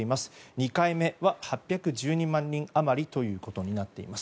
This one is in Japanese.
２回目は８１２万人余りということになっています。